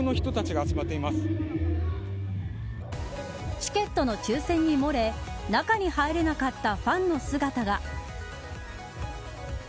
チケットの抽選に漏れ中に入れなかったファンの姿が。